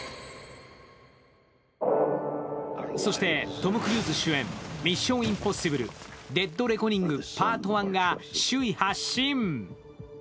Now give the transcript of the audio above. そしてトム・クルーズ主演「ミッション：インポッシブル／デッドレコニングＰＡＲＴＯＮＥ」が首位発進。